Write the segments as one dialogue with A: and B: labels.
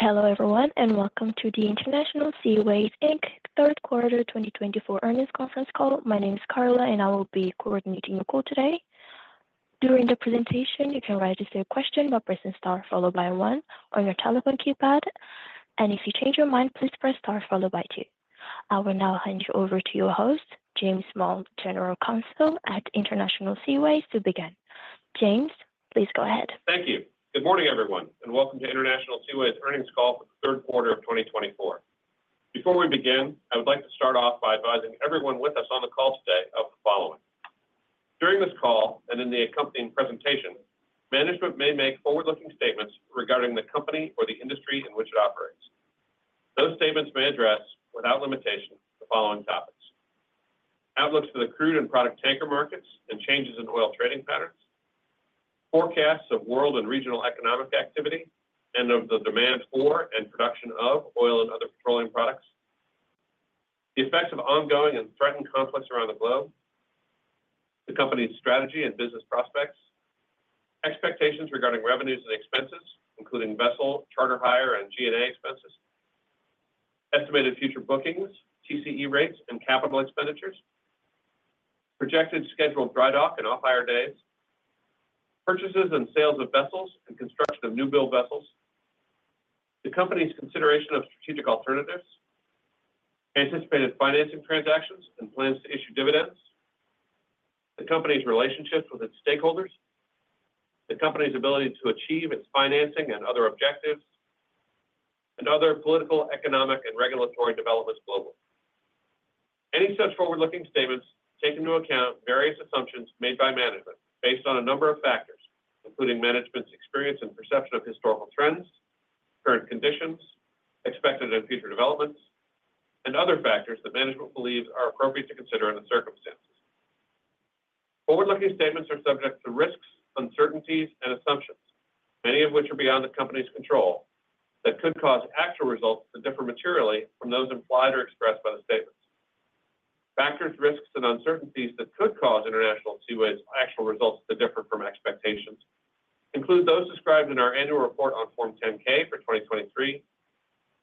A: Hello everyone, and welcome to the International Seaways Inc Third Quarter 2024 Earnings Conference Call. My name is Carla, and I will be coordinating your call today. During the presentation, you can register your question by pressing star followed by one on your telephone keypad, and if you change your mind, please press star followed by two. I will now hand you over to your host, James Small, General Counsel at International Seaways, to begin. James, please go ahead.
B: Thank you. Good morning, everyone, and welcome to International Seaways Earnings Call for the Third Quarter of 2024. Before we begin, I would like to start off by advising everyone with us on the call today of the following: During this call and in the accompanying presentation, management may make forward-looking statements regarding the company or the industry in which it operates. Those statements may address, without limitation, the following topics: outlooks for the crude and product tanker markets and changes in oil trading patterns, forecasts of world and regional economic activity and of the demand for and production of oil and other petroleum products, the effects of ongoing and threatened conflicts around the globe, the company's strategy and business prospects, expectations regarding revenues and expenses, including vessel charter hire and G&A expenses, estimated future bookings, TCE rates, and capital expenditures, projected scheduled dry dock and off-hire days, purchases and sales of vessels and construction of new-build vessels, the company's consideration of strategic alternatives, anticipated financing transactions and plans to issue dividends, the company's relationships with its stakeholders, the company's ability to achieve its financing and other objectives, and other political, economic, and regulatory developments globally. Any such forward-looking statements take into account various assumptions made by management based on a number of factors, including management's experience and perception of historical trends, current conditions, expected and future developments, and other factors that management believes are appropriate to consider under circumstances. Forward-looking statements are subject to risks, uncertainties, and assumptions, many of which are beyond the company's control, that could cause actual results to differ materially from those implied or expressed by the statements. Factors, risks, and uncertainties that could cause International Seaways' actual results to differ from expectations include those described in our annual report on Form 10-K for 2023,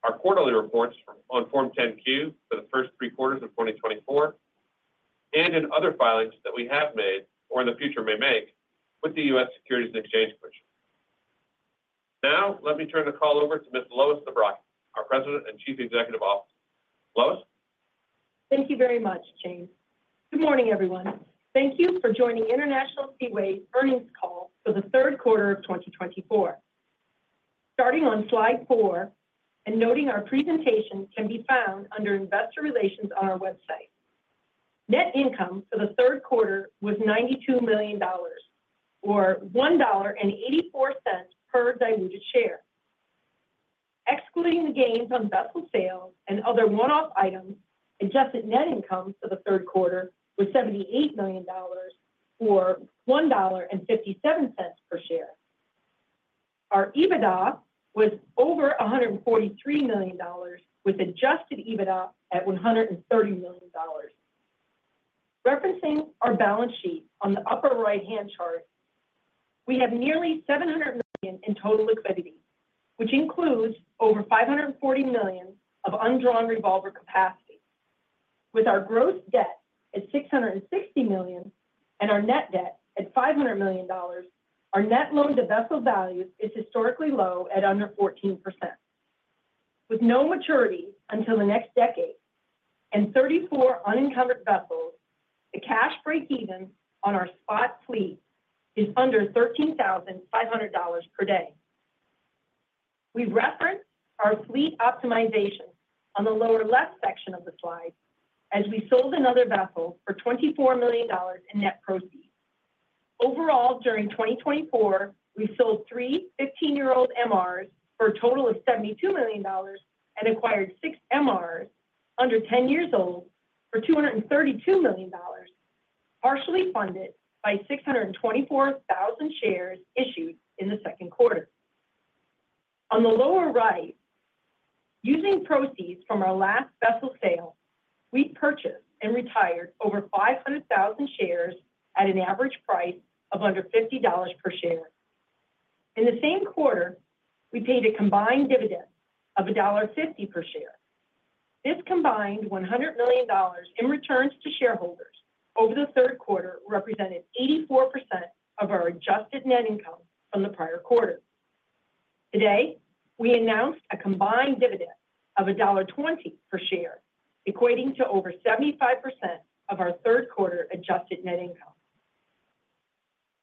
B: our quarterly reports on Form 10-Q for the first three quarters of 2024, and in other filings that we have made or in the future may make with the U.S. Securities and Exchange Commission. Now, let me turn the call over to Ms. Lois Zabrocky, our President and Chief Executive Officer. Lois?
C: Thank you very much, James. Good morning, everyone. Thank you for joining International Seaways Earnings Call for the Third Quarter of 2024. Starting on slide four, and noting our presentation can be found under Investor Relations on our website. Net income for the third quarter was $92 million, or $1.84 per diluted share. Excluding the gains on vessel sales and other one-off items, adjusted net income for the third quarter was $78 million, or $1.57 per share. Our EBITDA was over $143 million, with Adjusted EBITDA at $130 million. Referencing our balance sheet on the upper right-hand chart, we have nearly $700 million in total liquidity, which includes over $540 million of undrawn revolver capacity. With our gross debt at $660 million and our net debt at $500 million, our net loan-to-vessel value is historically low at under 14%. With no maturity until the next decade and 34 unencumbered vessels, the cash break-even on our spot fleet is under $13,500 per day. We reference our fleet optimization on the lower left section of the slide as we sold another vessel for $24 million in net proceeds. Overall, during 2024, we sold three 15-year-old MRs for a total of $72 million and acquired six MRs under 10 years old for $232 million, partially funded by 624,000 shares issued in the second quarter. On the lower right, using proceeds from our last vessel sale, we purchased and retired over 500,000 shares at an average price of under $50 per share. In the same quarter, we paid a combined dividend of $1.50 per share. This combined $100 million in returns to shareholders over the third quarter represented 84% of our adjusted net income from the prior quarter. Today, we announced a combined dividend of $1.20 per share, equating to over 75% of our third quarter adjusted net income.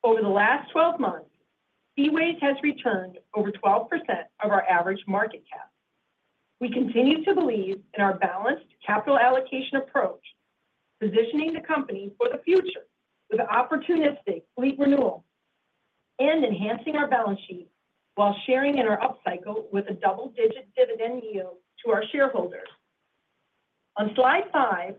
C: Over the last 12 months, Seaways has returned over 12% of our average market cap. We continue to believe in our balanced capital allocation approach, positioning the company for the future with opportunistic fleet renewal and enhancing our balance sheet while sharing in our upcycle with a double-digit dividend yield to our shareholders. On slide five,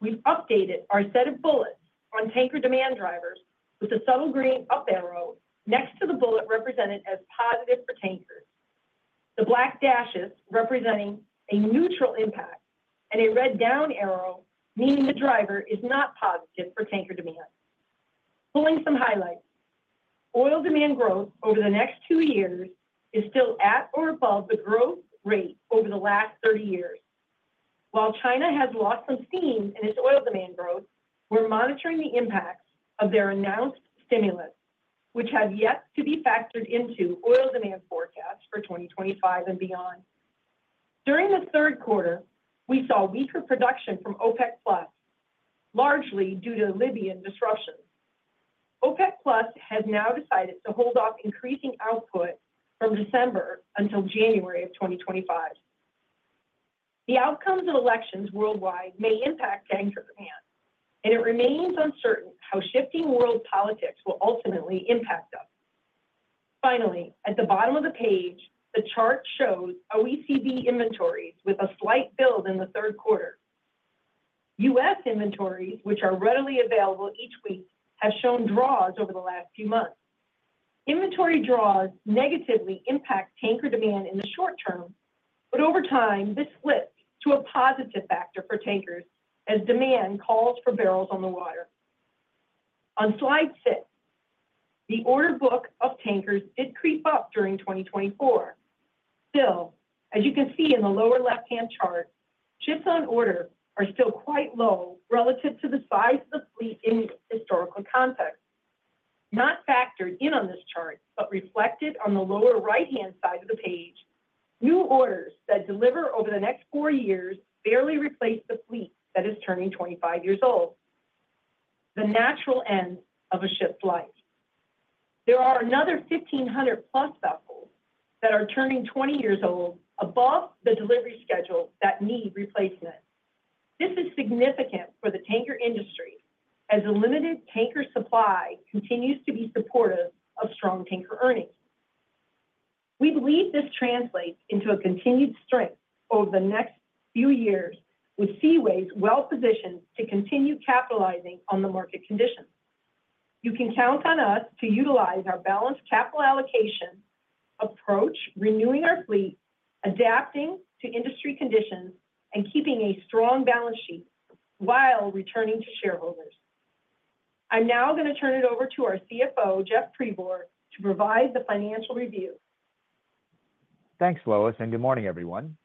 C: we've updated our set of bullets on tanker demand drivers with a subtle green up arrow next to the bullet represented as positive for tankers, the black dashes representing a neutral impact, and a red down arrow meaning the driver is not positive for tanker demand. Pulling some highlights, oil demand growth over the next two years is still at or above the growth rate over the last 30 years. While China has lost some steam in its oil demand growth, we're monitoring the impacts of their announced stimulus, which have yet to be factored into oil demand forecasts for 2025 and beyond. During the third quarter, we saw weaker production from OPEC+, largely due to Libyan disruptions. OPEC+ has now decided to hold off increasing output from December until January of 2025. The outcomes of elections worldwide may impact tanker demand, and it remains uncertain how shifting world politics will ultimately impact us. Finally, at the bottom of the page, the chart shows OECD inventories with a slight build in the third quarter. U.S. inventories, which are readily available each week, have shown draws over the last few months. Inventory draws negatively impact tanker demand in the short term, but over time, this slips to a positive factor for tankers as demand calls for barrels on the water. On slide six, the order book of tankers did creep up during 2024. Still, as you can see in the lower left-hand chart, ships on order are still quite low relative to the size of the fleet in historical context. Not factored in on this chart, but reflected on the lower right-hand side of the page, new orders that deliver over the next four years barely replace the fleet that is turning 25 years old. The natural end of a ship's life. There are another 1,500+ vessels that are turning 20 years old above the delivery schedule that need replacement. This is significant for the tanker industry as a limited tanker supply continues to be supportive of strong tanker earnings. We believe this translates into a continued strength over the next few years, with Seaways well-positioned to continue capitalizing on the market conditions. You can count on us to utilize our balanced capital allocation approach, renewing our fleet, adapting to industry conditions, and keeping a strong balance sheet while returning to shareholders. I'm now going to turn it over to our CFO, Jeff Pribor, to provide the financial review.
D: Thanks, Lois, and good morning, everyone.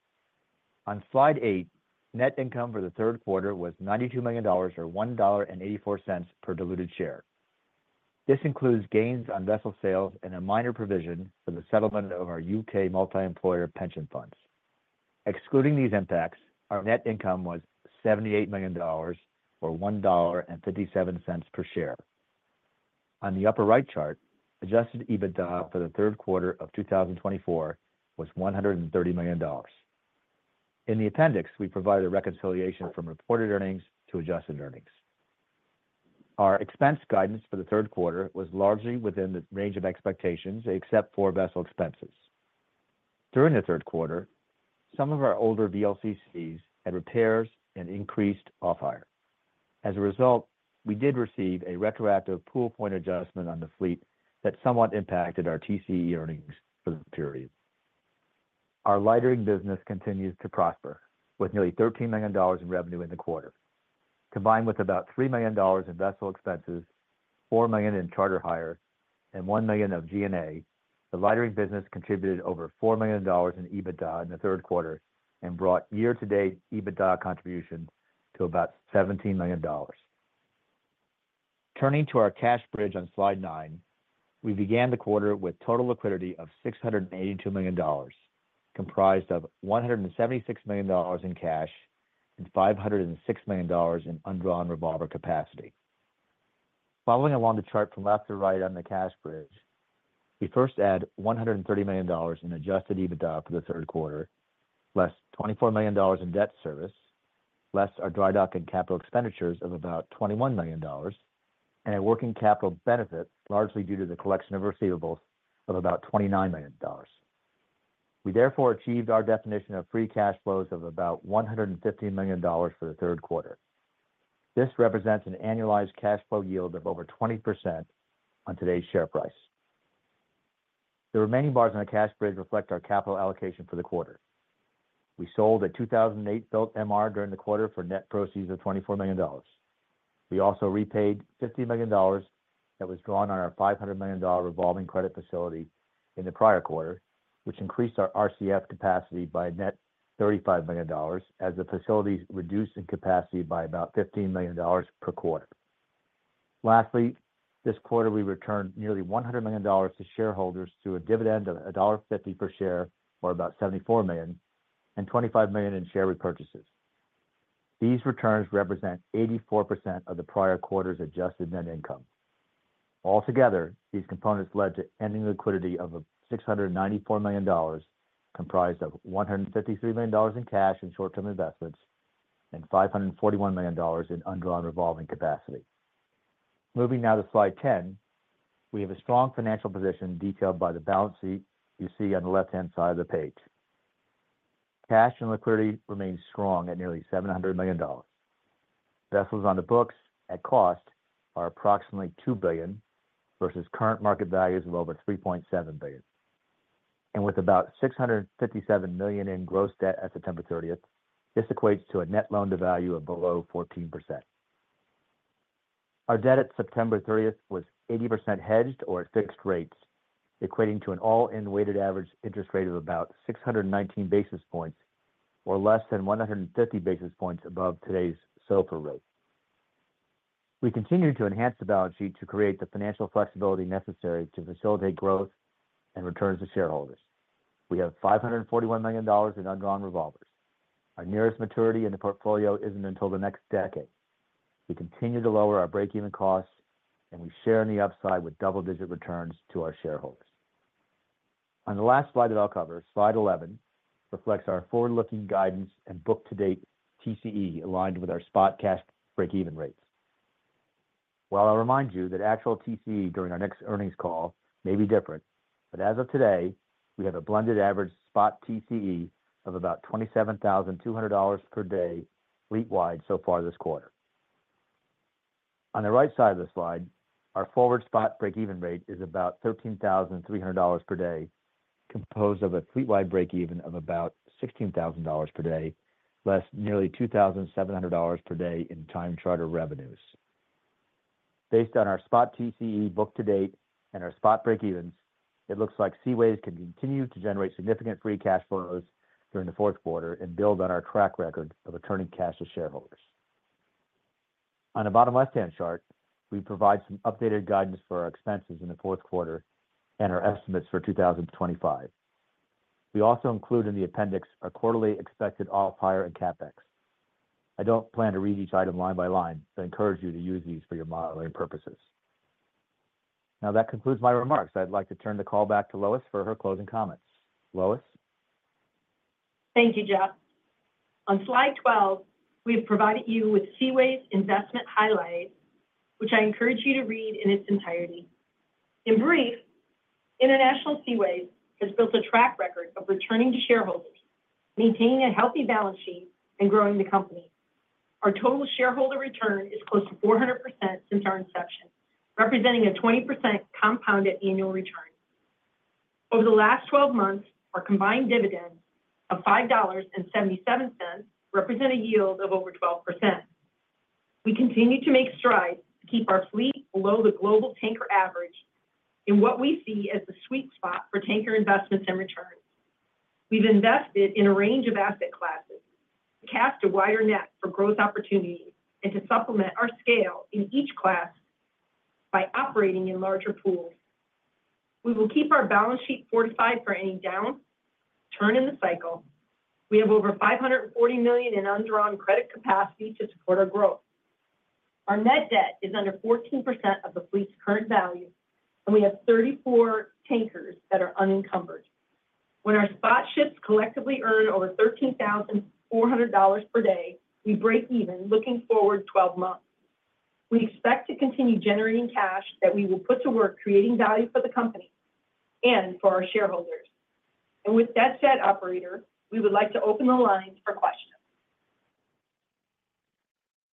D: On slide eight, net income for the third quarter was $92 million, or $1.84 per diluted share. This includes gains on vessel sales and a minor provision for the settlement of our U.K. multi-employer pension funds. Excluding these impacts, our net income was $78 million, or $1.57 per share. On the upper right chart, Adjusted EBITDA for the third quarter of 2024 was $130 million. In the appendix, we provide a reconciliation from reported earnings to adjusted earnings. Our expense guidance for the third quarter was largely within the range of expectations, except for vessel expenses. During the third quarter, some of our older VLCCs had repairs and increased off-hire. As a result, we did receive a retroactive pool point adjustment on the fleet that somewhat impacted our TCE earnings for the period. Our lightering business continues to prosper, with nearly $13 million in revenue in the quarter. Combined with about $3 million in vessel expenses, $4 million in charter hire, and $1 million of G&A, the lightering business contributed over $4 million in EBITDA in the third quarter and brought year-to-date EBITDA contributions to about $17 million. Turning to our cash bridge on slide nine, we began the quarter with total liquidity of $682 million, comprised of $176 million in cash and $506 million in undrawn revolver capacity. Following along the chart from left to right on the cash bridge, we first add $130 million in Adjusted EBITDA for the third quarter, less $24 million in debt service, less our dry dock and capital expenditures of about $21 million, and a working capital benefit largely due to the collection of receivables of about $29 million. We therefore achieved our definition of free cash flows of about $150 million for the third quarter. This represents an annualized cash flow yield of over 20% on today's share price. The remaining bars on the cash bridge reflect our capital allocation for the quarter. We sold a 2008-built MR during the quarter for net proceeds of $24 million. We also repaid $50 million that was drawn on our $500 million revolving credit facility in the prior quarter, which increased our RCF capacity by net $35 million as the facilities reduced in capacity by about $15 million per quarter. Lastly, this quarter, we returned nearly $100 million to shareholders through a dividend of $1.50 per share, or about $74 million, and $25 million in share repurchases. These returns represent 84% of the prior quarter's adjusted net income. Altogether, these components led to ending liquidity of $694 million, comprised of $153 million in cash and short-term investments, and $541 million in undrawn revolving capacity. Moving now to slide 10, we have a strong financial position detailed by the balance sheet you see on the left-hand side of the page. Cash and liquidity remains strong at nearly $700 million. Vessels on the books at cost are approximately $2 billion versus current market values of over $3.7 billion, and with about $657 million in gross debt at September 30th, this equates to a net loan-to-value of below 14%. Our debt at September 30th was 80% hedged or at fixed rates, equating to an all-in weighted average interest rate of about 619 basis points, or less than 150 basis points above today's SOFR rate. We continue to enhance the balance sheet to create the financial flexibility necessary to facilitate growth and returns to shareholders. We have $541 million in undrawn revolvers. Our nearest maturity in the portfolio isn't until the next decade. We continue to lower our break-even costs, and we share in the upside with double-digit returns to our shareholders. On the last slide that I'll cover, slide 11 reflects our forward-looking guidance and book-to-date TCE aligned with our spot cash break-even rates. I'll remind you that actual TCE during our next earnings call may be different, but as of today, we have a blended average spot TCE of about $27,200 per day fleet-wide so far this quarter. On the right side of the slide, our forward spot break-even rate is about $13,300 per day, composed of a fleet-wide break-even of about $16,000 per day, less nearly $2,700 per day in time charter revenues. Based on our spot TCE book-to-date and our spot break-evens, it looks like Seaways can continue to generate significant free cash flows during the fourth quarter and build on our track record of returning cash to shareholders. On the bottom left-hand chart, we provide some updated guidance for our expenses in the fourth quarter and our estimates for 2025. We also include in the appendix our quarterly expected off-hire and CapEx. I don't plan to read each item line by line, but encourage you to use these for your modeling purposes. Now, that concludes my remarks. I'd like to turn the call back to Lois for her closing comments. Lois?
C: Thank you, Jeff. On slide 12, we've provided you with Seaways' investment highlights, which I encourage you to read in its entirety. In brief, International Seaways has built a track record of returning to shareholders, maintaining a healthy balance sheet, and growing the company. Our total shareholder return is close to 400% since our inception, representing a 20% compounded annual return. Over the last 12 months, our combined dividends of $5.77 represent a yield of over 12%. We continue to make strides to keep our fleet below the global tanker average in what we see as the sweet spot for tanker investments and returns. We've invested in a range of asset classes to cast a wider net for growth opportunities and to supplement our scale in each class by operating in larger pools. We will keep our balance sheet fortified for any downturn in the cycle. We have over $540 million in undrawn credit capacity to support our growth. Our net debt is under 14% of the fleet's current value, and we have 34 tankers that are unencumbered. When our spot ships collectively earn over $13,400 per day, we break even looking forward 12 months. We expect to continue generating cash that we will put to work creating value for the company and for our shareholders. And with that said, operator, we would like to open the lines for questions.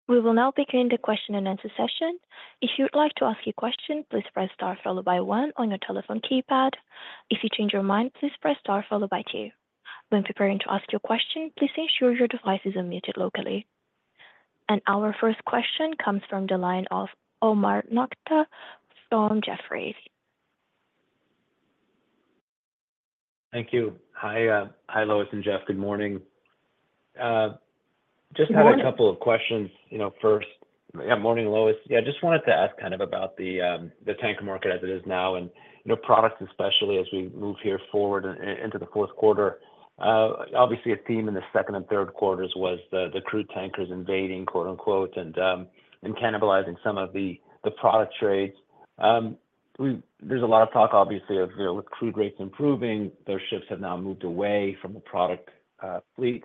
A: We will now begin the question-and-answer session. If you'd like to ask a question, please press star followed by one on your telephone keypad. If you change your mind, please press star followed by two. When preparing to ask your question, please ensure your device is unmuted locally. Our first question comes from the line of Omar Nokta from Jefferies.
E: Thank you. Hi, Lois and Jeff. Good morning. Just had a couple of questions. First, yeah, morning, Lois. Yeah, I just wanted to ask kind of about the tanker market as it is now and products, especially as we move here forward into the fourth quarter. Obviously, a theme in the second and third quarters was the crude tankers invading, quote unquote, and cannibalizing some of the product trades. There's a lot of talk, obviously, of with crude rates improving, those ships have now moved away from the product fleet.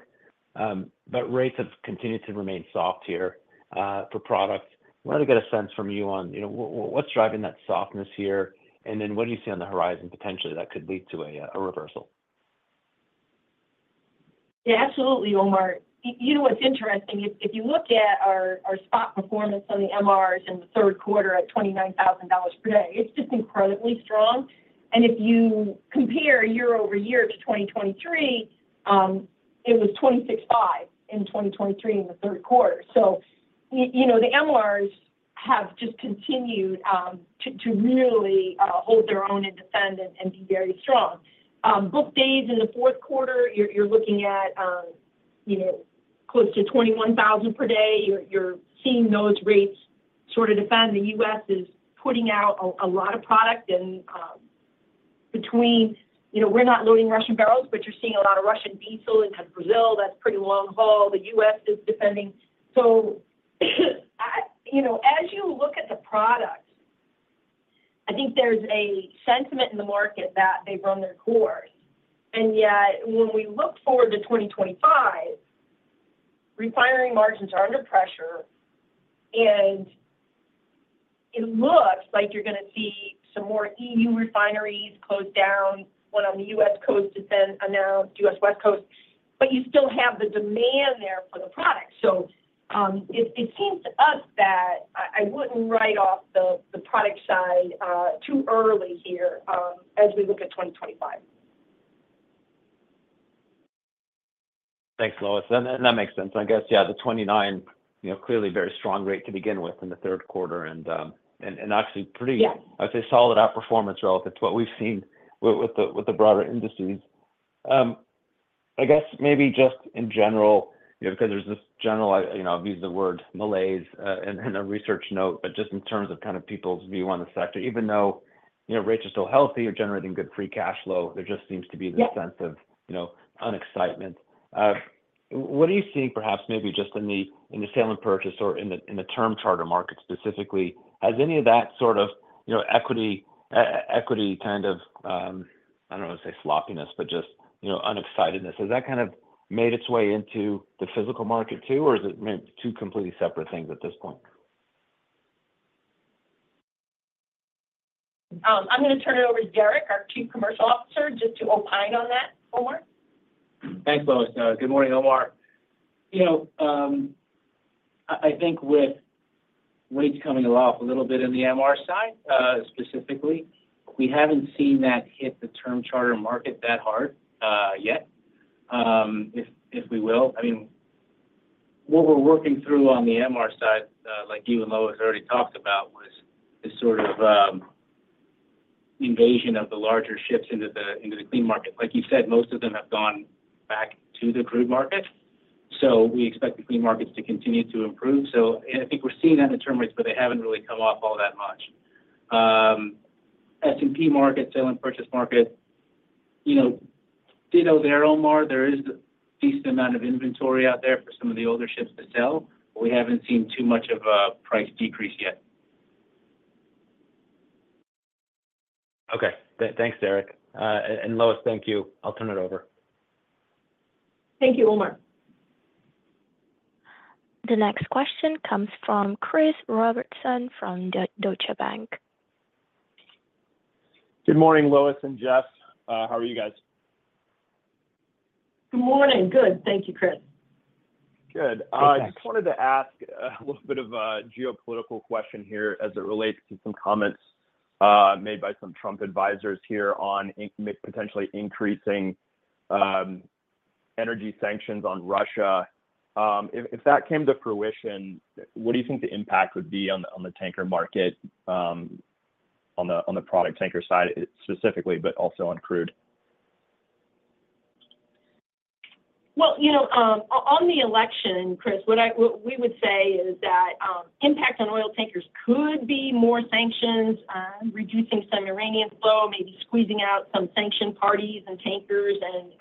E: But rates have continued to remain soft here for products. I wanted to get a sense from you on what's driving that softness here, and then what do you see on the horizon potentially that could lead to a reversal?
C: Yeah, absolutely, Omar. You know what's interesting? If you look at our spot performance on the MRs in the third quarter at $29,000 per day, it's just incredibly strong. And if you compare year-over-year to 2023, it was $26,500 in 2023 in the third quarter. So the MRs have just continued to really hold their own and defend and be very strong. Book days in the fourth quarter, you're looking at close to $21,000 per day. You're seeing those rates sort of defend. The U.S. is putting out a lot of product. In between, we're not loading Russian barrels, but you're seeing a lot of Russian diesel into Brazil. That's pretty long haul. The U.S. is defending. So as you look at the product, I think there's a sentiment in the market that they've run their course. Yet, when we look forward to 2025, refinery margins are under pressure, and it looks like you're going to see some more E.U. refineries close down, one on the U.S. coast has been announced, U.S. West Coast, but you still have the demand there for the product. It seems to us that I wouldn't write off the product side too early here as we look at 2025.
E: Thanks, Lois. And that makes sense. I guess, yeah, the $29,000, clearly very strong rate to begin with in the third quarter, and actually pretty, I would say, solid outperformance relative to what we've seen with the broader indices. I guess maybe just in general, because there's this general, I'll use the word malaise in a research note, but just in terms of kind of people's view on the sector, even though rates are still healthy, you're generating good free cash flow, there just seems to be this sense of unexcitement. What are you seeing, perhaps, maybe just in the sale and purchase or in the term charter market specifically, has any of that sort of equity kind of, I don't want to say sloppiness, but just unexcitedness, has that kind of made its way into the physical market too, or is it two completely separate things at this point?
C: I'm going to turn it over to Derek, our Chief Commercial Officer, just to opine on that, Omar.
F: Thanks, Lois. Good morning, Omar. I think with rates coming off a little bit in the MR side, specifically, we haven't seen that hit the term charter market that hard yet, if we will. I mean, what we're working through on the MR side, like you and Lois already talked about, was this sort of invasion of the larger ships into the clean market. Like you said, most of them have gone back to the crude market. So we expect the clean markets to continue to improve. So I think we're seeing that in term rates, but they haven't really come off all that much. S&P market, sale and purchase market, ditto there, Omar. There is a decent amount of inventory out there for some of the older ships to sell, but we haven't seen too much of a price decrease yet.
E: Okay. Thanks, Derek. And Lois, thank you. I'll turn it over.
C: Thank you, Omar.
A: The next question comes from Chris Robertson from Deutsche Bank.
G: Good morning, Lois and Jeff. How are you guys?
C: Good morning. Good. Thank you, Chris.
G: Good. I just wanted to ask a little bit of a geopolitical question here as it relates to some comments made by some Trump advisors here on potentially increasing energy sanctions on Russia. If that came to fruition, what do you think the impact would be on the tanker market, on the product tanker side specifically, but also on crude?
C: On the election, Chris, what we would say is that impact on oil tankers could be more sanctions, reducing some Iranian flow, maybe squeezing out some sanctioned parties and tankers, and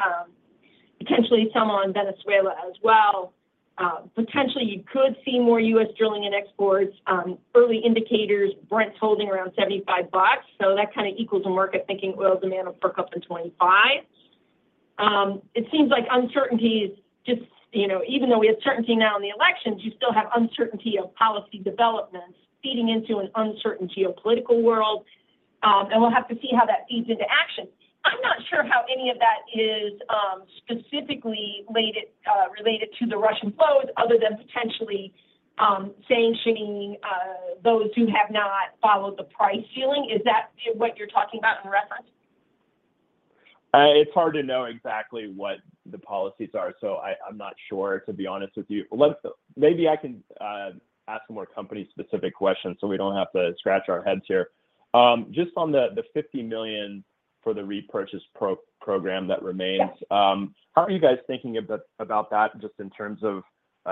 C: potentially some on Venezuela as well. Potentially, you could see more U.S. drilling and exports. Early indicators, Brent's holding around $75. That kind of equals a market thinking oil demand will perk up in 2025. It seems like uncertainties, just even though we have certainty now in the elections, you still have uncertainty of policy developments feeding into an uncertain geopolitical world. We'll have to see how that feeds into action. I'm not sure how any of that is specifically related to the Russian flows other than potentially sanctioning those who have not followed the price ceiling. Is that what you're talking about in reference?
G: It's hard to know exactly what the policies are. So I'm not sure, to be honest with you. Maybe I can ask a more company-specific question so we don't have to scratch our heads here. Just on the $50 million for the repurchase program that remains, how are you guys thinking about that just in terms of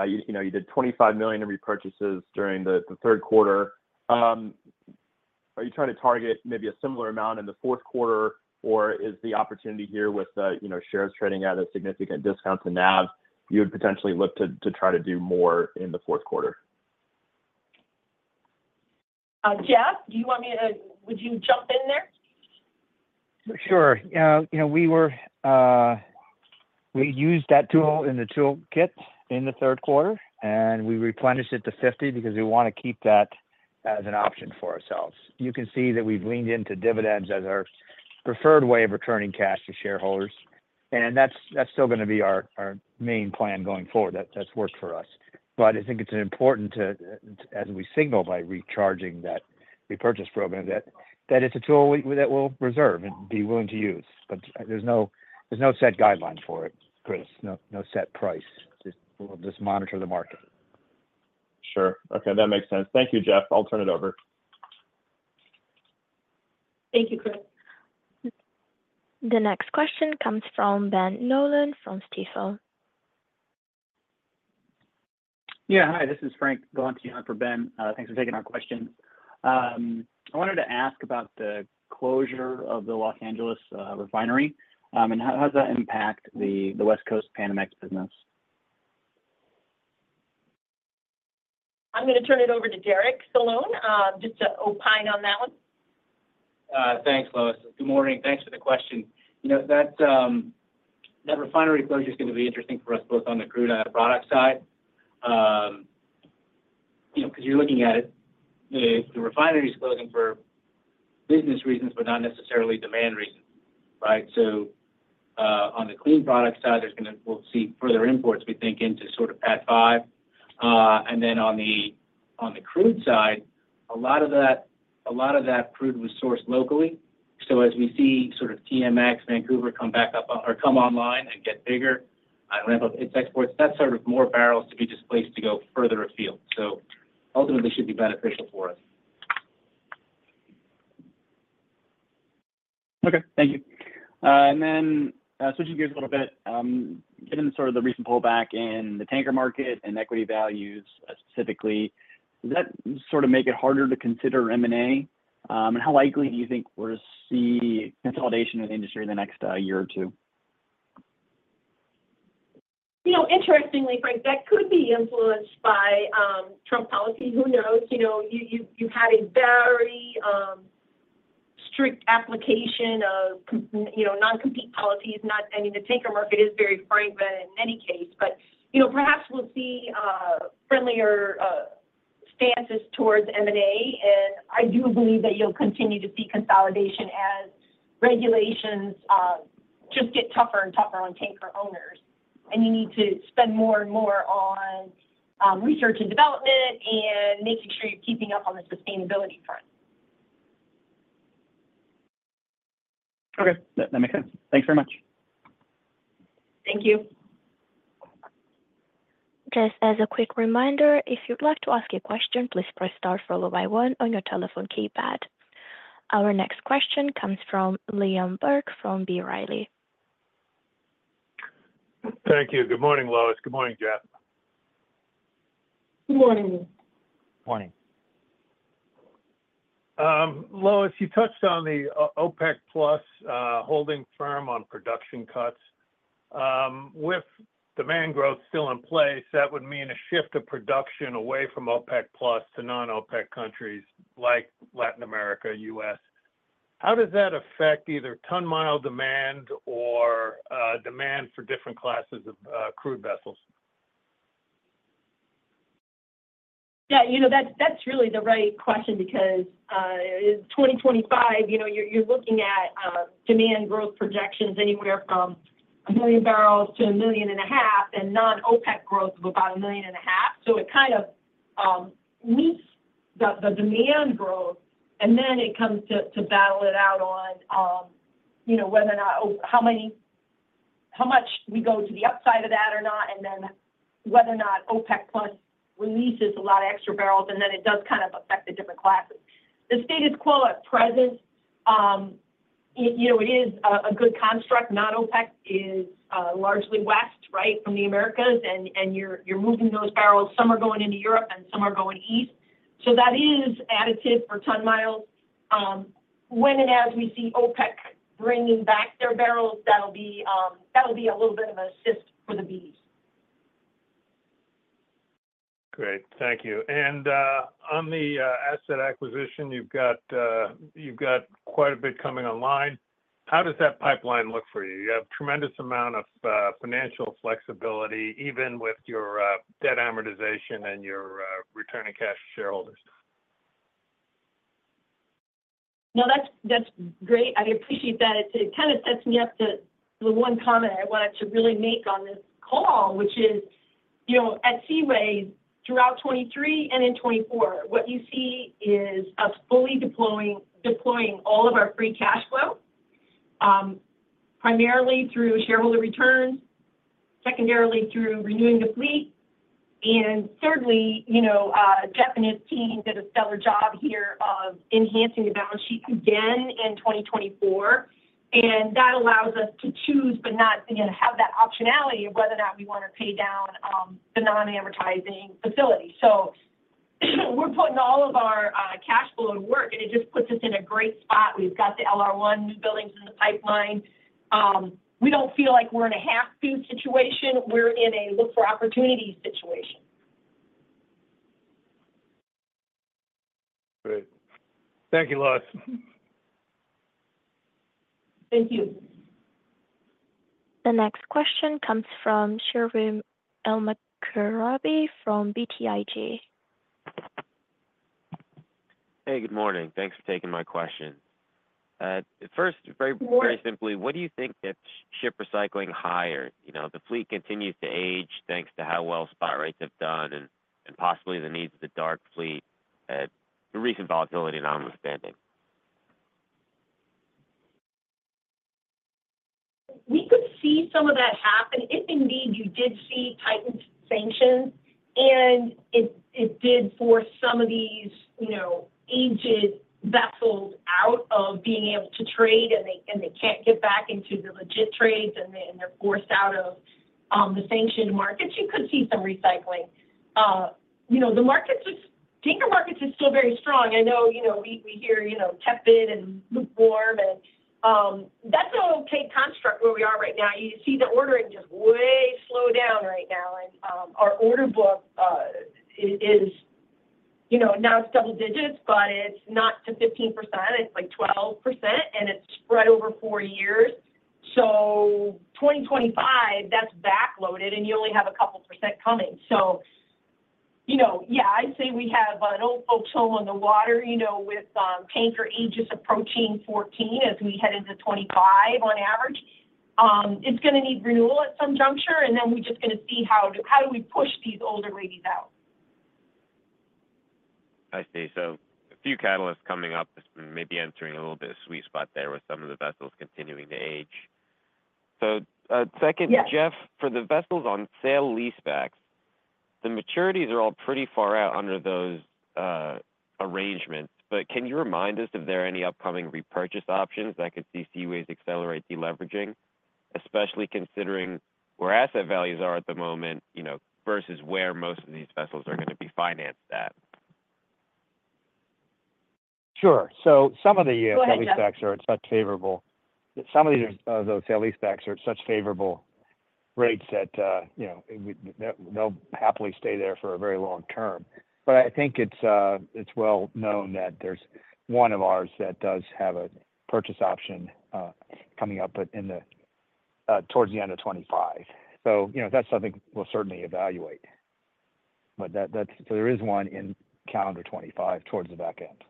G: you did $25 million in repurchases during the third quarter? Are you trying to target maybe a similar amount in the fourth quarter, or is the opportunity here with shares trading at a significant discount to NAV, you would potentially look to try to do more in the fourth quarter?
C: Jeff, do you want me to? Would you jump in there?
D: Sure. We used that tool in the toolkit in the third quarter, and we replenished it to $50 because we want to keep that as an option for ourselves. You can see that we've leaned into dividends as our preferred way of returning cash to shareholders. And that's still going to be our main plan going forward. That's worked for us. But I think it's important to, as we signal by recharging that repurchase program, that it's a tool that we'll reserve and be willing to use. But there's no set guideline for it, Chris. No set price. Just monitor the market.
G: Sure. Okay. That makes sense. Thank you, Jeff. I'll turn it over.
C: Thank you, Chris.
A: The next question comes from Ben Nolan from Stifel.
H: Yeah. Hi. This is Frank Galanti for Ben. Thanks for taking our questions. I wanted to ask about the closure of the Los Angeles refinery and how does that impact the West Coast Panamax business?
C: I'm going to turn it over to Derek Solon just to opine on that one.
F: Thanks, Lois. Good morning. Thanks for the question. That refinery closure is going to be interesting for us both on the crude and the product side. Because you're looking at it, the refinery is closing for business reasons, but not necessarily demand reasons, right? So on the clean product side, we'll see further imports, we think, into sort of PADD 5. And then on the crude side, a lot of that crude was sourced locally. So as we see sort of TMX, Vancouver come back up or come online and get bigger on ramp-up its exports, that's sort of more barrels to be displaced to go further afield. So ultimately, it should be beneficial for us.
H: Okay. Thank you, and then switching gears a little bit, given sort of the recent pullback in the tanker market and equity values specifically, does that sort of make it harder to consider M&A? And how likely do you think we'll see consolidation in the industry in the next year or two?
C: Interestingly, Frank, that could be influenced by Trump policy. Who knows? You've had a very strict application of non-compete policies. I mean, the tanker market is very fragmented in any case, but perhaps we'll see friendlier stances towards M&A. And I do believe that you'll continue to see consolidation as regulations just get tougher and tougher on tanker owners. And you need to spend more and more on research and development and making sure you're keeping up on the sustainability front.
H: Okay. That makes sense. Thanks very much.
C: Thank you.
A: Just as a quick reminder, if you'd like to ask a question, please press star followed by one on your telephone keypad. Our next question comes from Liam Burke from B. Riley.
I: Thank you. Good morning, Lois. Good morning, Jeff.
C: Good morning.
D: Morning.
I: Lois, you touched on the OPEC+ holding firm on production cuts. With demand growth still in place, that would mean a shift of production away from OPEC+ to non-OPEC countries like Latin America, U.S. How does that affect either ton-mile demand or demand for different classes of crude vessels?
C: Yeah. That's really the right question because in 2025, you're looking at demand growth projections anywhere from a million barrels to a million and a half and non-OPEC growth of about a million and a half. So it kind of meets the demand growth, and then it comes to battle it out on whether or not how much we go to the upside of that or not, and then whether or not OPEC+ releases a lot of extra barrels, and then it does kind of affect the different classes. The status quo at present, it is a good construct. Non-OPEC is largely west, right, from the Americas, and you're moving those barrels. Some are going into Europe, and some are going east. So that is additive for ton miles. When and as we see OPEC bringing back their barrels, that'll be a little bit of an assist for the bees.
I: Great. Thank you. And on the asset acquisition, you've got quite a bit coming online. How does that pipeline look for you? You have a tremendous amount of financial flexibility, even with your debt amortization and your returning cash to shareholders.
C: No, that's great. I appreciate that. It kind of sets me up to the one comment I wanted to really make on this call, which is at Seaways, throughout 2023 and in 2024, what you see is us fully deploying all of our free cash flow, primarily through shareholder returns, secondarily through renewing the fleet, and thirdly, Jeff and his team did a stellar job here of enhancing the balance sheet again in 2024, and that allows us to choose, but not have that optionality of whether or not we want to pay down the non-amortizing facility, so we're putting all of our cash flow to work, and it just puts us in a great spot. We've got the LR1 new buildings in the pipeline. We don't feel like we're in a have-to situation. We're in a look for opportunity situation.
I: Great. Thank you, Lois.
C: Thank you.
A: The next question comes from Sherif Elmaghrabi from BTIG.
J: Hey, good morning. Thanks for taking my question. First, very simply, what do you think gets ship recycling higher? The fleet continues to age thanks to how well spot rates have done and possibly the needs of the dark fleet at recent volatility and notwithstanding.
C: We could see some of that happen if indeed you did see tightened sanctions, and it did force some of these aged vessels out of being able to trade, and they can't get back into the legit trades, and they're forced out of the sanctioned markets. You could see some recycling. The tanker markets are still very strong. I know we hear tepid and lukewarm, and that's an okay construct where we are right now. You see the ordering just way slowed down right now. And our order book is now double digits, but it's not to 15%. It's like 12%, and it's spread over four years. So 2025, that's backloaded, and you only have a couple percent coming. So yeah, I'd say we have an old folks home on the water with tanker ages approaching 14 as we head into 2025 on average. It's going to need renewal at some juncture, and then we're just going to see how do we push these older ladies out.
J: I see. So a few catalysts coming up that's maybe entering a little bit of sweet spot there with some of the vessels continuing to age. So second, Jeff, for the vessels on sale-leasebacks, the maturities are all pretty far out under those arrangements. But can you remind us if there are any upcoming repurchase options that could see Seaways accelerate deleveraging, especially considering where asset values are at the moment versus where most of these vessels are going to be financed at?
D: Sure. So some of those sale-leasebacks are at such favorable rates that they'll happily stay there for a very long term. But I think it's well known that there's one of ours that does have a purchase option coming up towards the end of 2025. So that's something we'll certainly evaluate. So there is one in calendar 2025 towards the back end.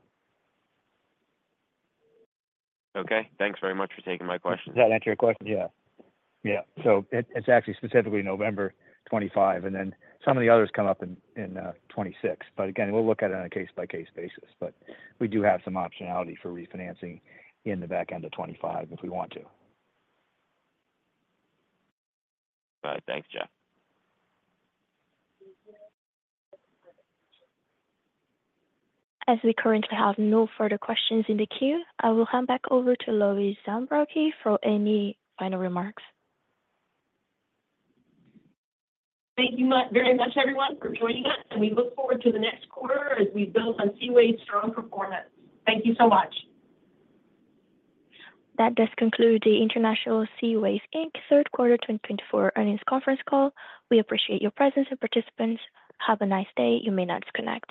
J: Okay. Thanks very much for taking my question.
D: Does that answer your question? Yeah. Yeah. So it's actually specifically November 2025, and then some of the others come up in 2026. But again, we'll look at it on a case-by-case basis. But we do have some optionality for refinancing in the back end of 2025 if we want to.
J: All right. Thanks, Jeff.
A: As we currently have no further questions in the queue, I will hand back over to Lois Zabrocky for any final remarks.
C: Thank you very much, everyone, for joining us, and we look forward to the next quarter as we build on Seaways' strong performance. Thank you so much.
A: That does conclude the International Seaways, Inc Third Quarter 2024 Earnings Conference Call. We appreciate your presence and participants. Have a nice day. You may now disconnect.